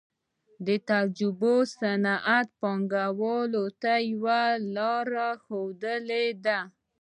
تجربو صنعتي پانګوالو ته یوه لار ښودلې ده